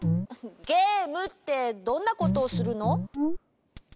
ゲームってどんなことをするの？